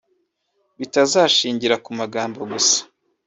bitazashingira ku magambo gusa